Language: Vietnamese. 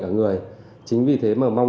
ở người chính vì thế mà mong